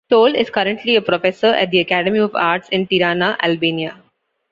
Tole is currently a Professor at the Academy of Arts in Tirana, Albania.